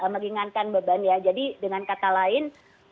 meringankan beban ya jadi dengan kata lain